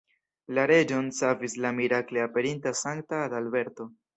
La reĝon savis la mirakle aperinta sankta Adalberto.